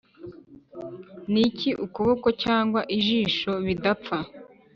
niki ukuboko cyangwa ijisho bidapfa,